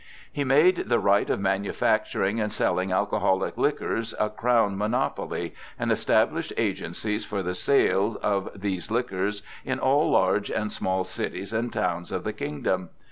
He made the right of manufacturing and selling alcoholic liquors a crown monopoly, and established agencies for the sale of these liquors in all large and small cities and towns of the kingdom.